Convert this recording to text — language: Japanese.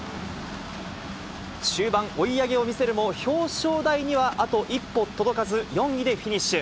終盤、追い上げを見せるも表彰台にはあと一歩届かず、４位でフィニッシュ。